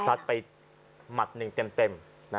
ไปหมัดหนึ่งเต็ม